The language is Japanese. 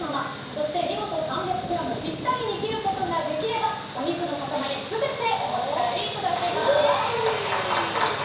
そして見事３００ｇぴったりに切ることができればお肉の塊全てお持ち帰りいただけます。